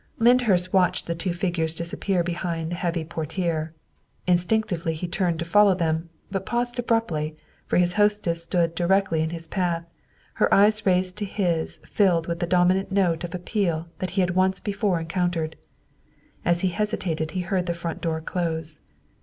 Lyndhurst watched the two figures disappear behind the heavy portiere. Instinctively he turned to follow them, but paused abruptly, for his hostess stood di rectly in his path, her eyes raised to his filled with the dominant note of appeal that he had once before encountered. And as he hesitated he heard the front door close.